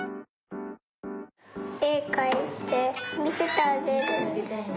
えかいてみせてあげる。